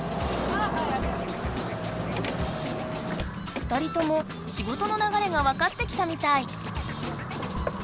２人とも仕事のながれが分かってきたみたい。